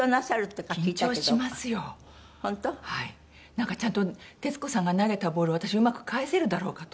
なんかちゃんと徹子さんが投げたボールを私うまく返せるだろうかと。